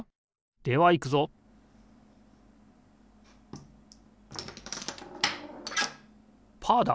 ではいくぞパーだ！